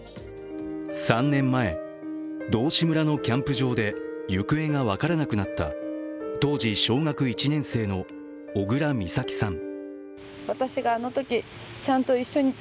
３年前、道志村のキャンプ場で行方が分からなくなった当時、小学１年生の小倉美咲さん。